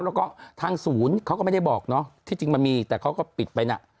แล้วก็ทางศูนย์เขาก็ไม่ได้บอกเนาะที่จริงมันมีแต่เขาก็ปิดไปน่ะ